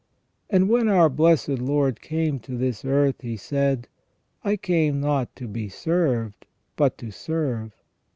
And when our blessed Lord came to this earth He said :" I came not to be served, but to serve".